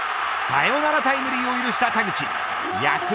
サヨナラタイムリーを手にした田口。